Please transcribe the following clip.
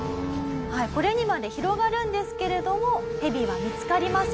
これにまで広がるんですけれどもヘビは見付かりません。